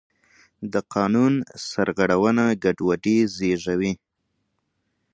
د قانون سرغړونه ګډوډي زېږوي